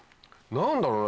何だろうね？